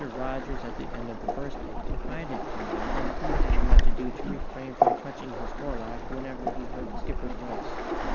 Rogers at the end of the first day confided to me that he had much ado to refrain from touching his forelock whenever he heard the skipper's voice.